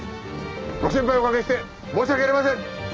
ご心配おかけして申し訳ありません！